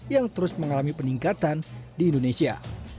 yang terus mengalami peningkatan di indonesia